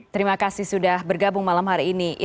terima kasih sudah bergabung malam hari ini